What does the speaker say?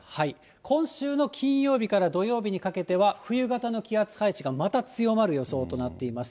今週の金曜日から土曜日にかけては、冬型の気圧配置がまた強まる予想となっています。